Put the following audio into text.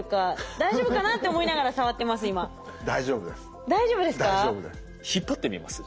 大丈夫です。